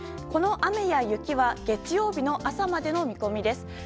この雨や雪は月曜日の朝までの見込みです。